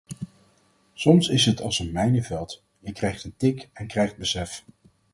Soms is het als een mijnenveld, je krijgt een tik en krijgt besef.